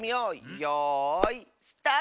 よいスタート！